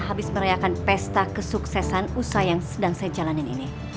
habis merayakan pesta kesuksesan usaha yang sedang saya jalanin ini